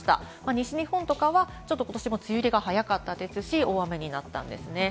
西日本とかは今年も梅雨入りが早かったですし、大雨になったんですね。